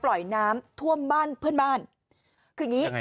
เพื่อให้น้ำจากบ้านเขาลงคลอมผ่านที่สุดท้าย